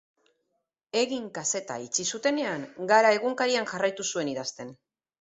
Egin kazeta itxi zutenean, Gara egunkarian jarraitu zuen idazten.